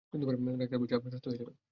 Doctor বলেছে আপনি সুস্থ হয়ে যাবেন!